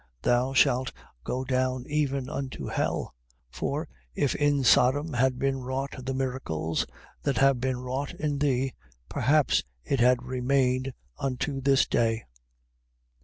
thou shalt go down even unto hell. For if in Sodom had been wrought the miracles that have been wrought in thee, perhaps it had remained unto this day.